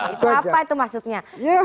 itu apa itu maksudnya